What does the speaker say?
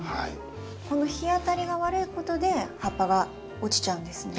この日当たりが悪いことで葉っぱが落ちちゃうんですね？